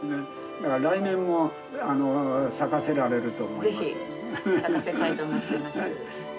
だから、来年も咲かせられると思います。